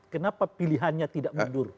kenapa pilihannya tidak mundur